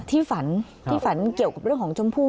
ฝันที่ฝันเกี่ยวกับเรื่องของชมพู่